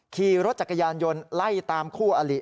ขี่รถจักรยานยนต์ไล่ตามคู่อลิ